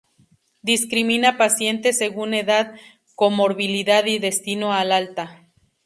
Discrimina pacientes según edad, comorbilidad y destino al alta.